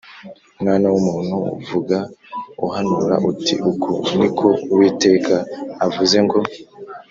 Mwana w’umuntu, vuga uhanura uti ‘Uku ni ko Uwiteka avuze ngo: